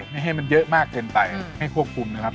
ไม่ให้มันเยอะมากเกินไปให้ควบคุมนะครับ